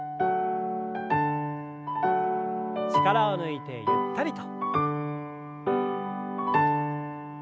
力を抜いてゆったりと。